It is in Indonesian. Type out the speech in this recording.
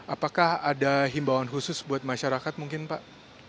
apakah ada himbauan khusus buat masyarakat mungkin pak